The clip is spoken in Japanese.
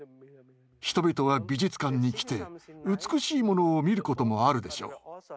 人々は美術館に来て美しいものを見ることもあるでしょう。